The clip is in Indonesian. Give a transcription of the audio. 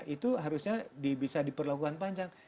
itu harusnya bisa diperlakukan panjang